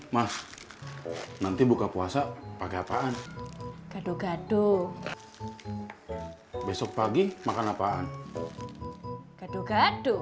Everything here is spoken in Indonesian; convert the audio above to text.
mas nanti buka puasa pakai apaan gado gado besok pagi makan apaan gaduh gaduh